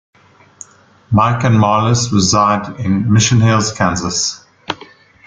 Mike and Marlys reside in Mission Hills, Kansas.